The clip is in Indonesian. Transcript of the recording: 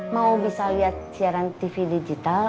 mau bisa lihat siaran tv digital